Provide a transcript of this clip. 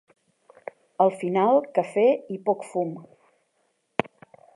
Al final, "cafè i poc fum".